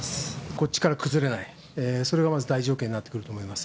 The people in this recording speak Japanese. こっちから崩れない、それがまず第一条件になってくると思っています。